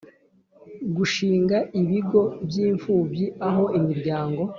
Gushinga ibigo by imfubyi aho imiryango